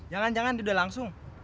jangan jangan dia udah langsung